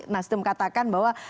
nasdem katakan bahwa